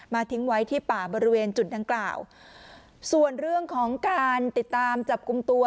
ทิ้งไว้ที่ป่าบริเวณจุดดังกล่าวส่วนเรื่องของการติดตามจับกลุ่มตัว